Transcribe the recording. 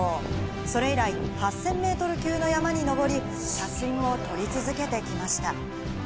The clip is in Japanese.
それ以来、８０００ｍ級の山に登り、写真を撮り続けてきました。